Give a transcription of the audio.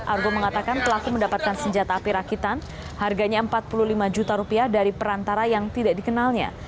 argo mengatakan pelaku mendapatkan senjata api rakitan harganya empat puluh lima juta rupiah dari perantara yang tidak dikenalnya